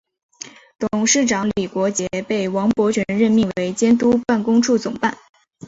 董事长李国杰被王伯群任命为监督办公处总办。